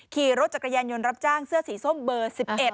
ขี่รถจักรยานยนต์รับจ้างเสื้อสีส้มเบอร์๑๑